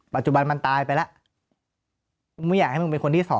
ปัจจุบันมันตายไปแล้วมึงไม่อยากให้มึงเป็นคนที่๒